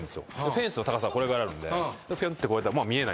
フェンスの高さはこれぐらいあるんで越えたら見えない。